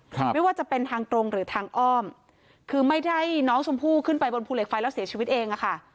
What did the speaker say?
ไม่ว่าจะเป็นทางตรงหรือทางอ้อมคือไม่ได้น้องชมพู่ขึ้นไปบนภูเหล็กไฟแล้วเสียชีวิตเองอ่ะค่ะ